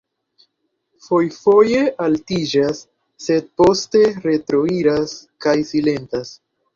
fojfoje altiĝas, sed poste retroiras kaj silentas.